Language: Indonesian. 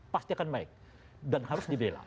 pasti akan baik dan harus dibela